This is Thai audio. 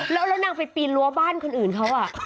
แล้วนางไปปีนรั้วบ้านคนอื่นเขา